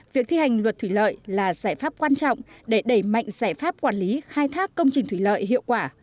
việc thi hành luật thủy lợi là giải pháp quan trọng để đẩy mạnh giải pháp quản lý khai thác công trình thủy lợi hiệu quả